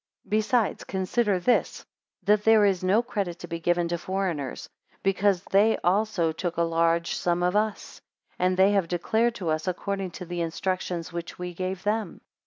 30 Besides, consider this, that there is no credit to be given to foreigners, because they also took a large sum of us, and they have declared to us according to the instructions which we gave them.